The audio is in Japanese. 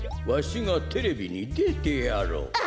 わしがテレビにでてやろう。